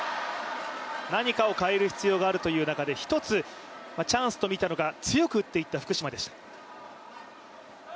何かを変える必要があるという中で一つ、チャンスとみたのか強く打っていった福島でした。